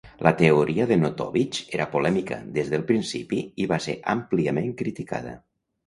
La teoria de Notovitx era polèmica des del principi i va ser àmpliament criticada.